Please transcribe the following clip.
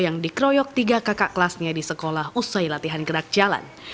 yang dikeroyok tiga kakak kelasnya di sekolah usai latihan gerak jalan